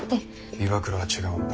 岩倉は違うんだ。